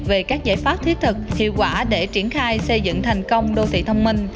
về các giải pháp thiết thực hiệu quả để triển khai xây dựng thành công đô thị thông minh